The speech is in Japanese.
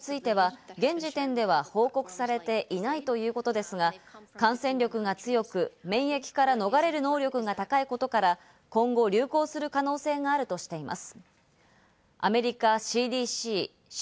ウイルスの重症化については現時点では報告されていないということですが、感染力が強く、免疫から逃れる能力が高いことから今後流行する可能性があるとしています。